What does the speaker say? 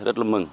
rất là mừng